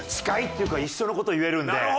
近いっていうか一緒の事言えるんで。